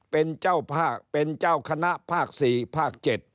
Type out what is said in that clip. เป็นเจ้าคณะภาค๔ภาค๗